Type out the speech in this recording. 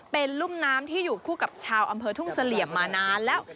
เป็นรุ่มน้ำที่อยู่คู่กับชาวอำเภอทุ่งเสลี่ยมมานานแล้ว